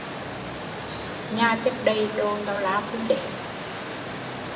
Nhà chất đẩy đồ tào lao tịnh đế